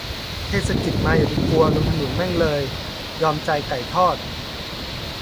เทศกิจมาอย่าไปกลัว ลงถนนแม่งเลย ยอมใจไก่ทอด